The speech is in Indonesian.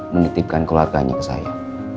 menitipkan keluarganya ke saya